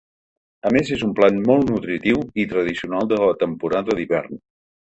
A més és un plat molt nutritiu i tradicional de la temporada d’hivern.